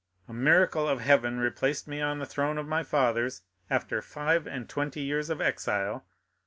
A miracle of heaven replaced me on the throne of my fathers after five and twenty years of exile.